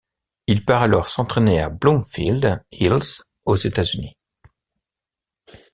Il part alors s'entraîner à Bloomfield Hills, aux États-Unis.